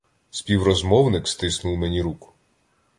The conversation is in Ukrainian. Співрозмовник стиснув мені руку.